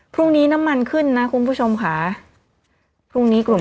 พรุ่งนี้น้ำมันขึ้นนะคุณผู้ชมค่ะพรุ่งนี้กลุ่ม